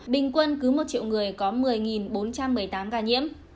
bình quân cứ một triệu người có một mươi bốn trăm một mươi tám ca nhiễm